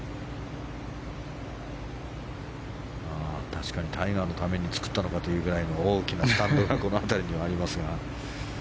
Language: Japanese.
確かにタイガーのために作ったのかというような大きなスタンドがこの辺りにはありますが。